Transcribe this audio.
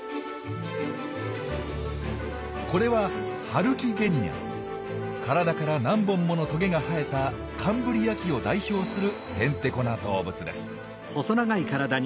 これは体から何本ものトゲが生えたカンブリア紀を代表するヘンテコな動物です。